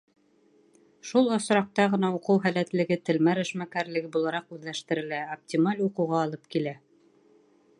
Шул осраҡта ғына уҡыу һәләтлеге телмәр эшмәкәрлеге булараҡ үҙләштерелә, оптималь уҡыуға алып килә.